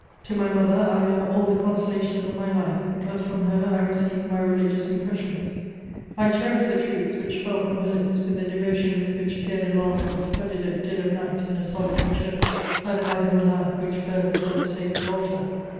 To my mother I owe all the consolations of my life, because Atim her I received my religious impressions ; I cherished the truths which fell ^m her lips with the devotion with which Pierre de Langres studied at dead of night, in a solitary church, by the light of a lamp, which burned before • the sacred altar.